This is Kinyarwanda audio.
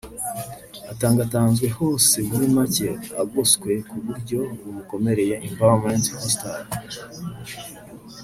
atangatanzwe hose muri make agotswe ku buryo bumukomereye (environnement hostile)